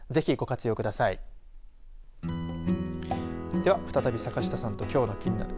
では再び坂下さんときょうのキニナル！